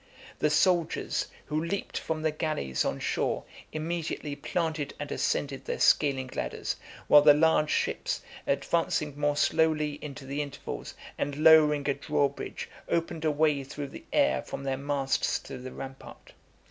The soldiers, who leaped from the galleys on shore, immediately planted and ascended their scaling ladders, while the large ships, advancing more slowly into the intervals, and lowering a draw bridge, opened a way through the air from their masts to the rampart.